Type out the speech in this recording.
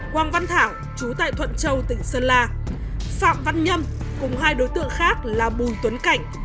quang văn thảo chú tại thuận châu tỉnh sơn la phạm văn nhâm cùng hai đối tượng khác là bùi tuấn cảnh